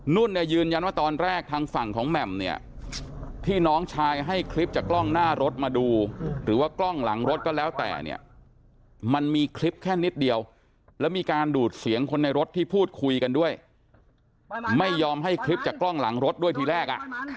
นุ่นเนี่ยยืนยันว่าตอนแรกทางฝั่งของแหม่มเนี่ยที่น้องชายให้คลิปจากกล้องหน้ารถมาดูหรือว่ากล้องหลังรถก็แล้วแต่เนี่ยมันมีคลิปแค่นิดเดียวแล้วมีการดูดเสียงคนในรถที่พูดคุยกันด้วยไม่ยอมให้คลิปจากกล้องหลังรถด้วยทีแรก